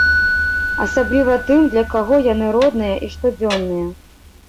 Асабліва тым, для каго яны родныя і штодзённыя.